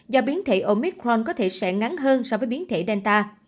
do biến thể omicron có thể sẽ ngắn hơn so với biến thể delta